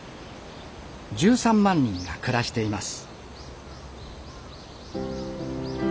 １３万人が暮らしています。